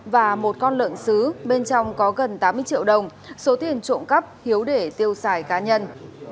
và một con lợn xứ bên trong có gần tám mươi triệu đồng số tiền trộm cắp hiếu để tiêu xài cá nhân